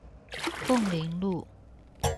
鳳林路